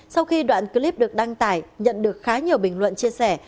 sau khi đoạn clip được đăng tải nhận được khá nhiều bình luận chia sẻ